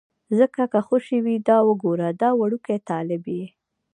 ځکه که خوشې وي، دا وګوره دا وړوکی طالب یې.